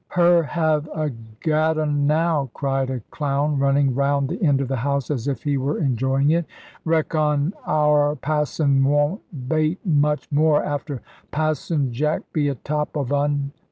"Her have a gat 'un now," cried a clown, running round the end of the house, as if he were enjoying it. "Reckon our passon wun't baite much moore, after Passon Jack be atop of 'un."